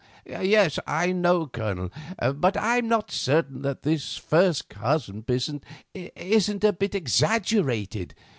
"Yes, I know, Colonel; but I am not certain that this first cousin business isn't a bit exaggerated.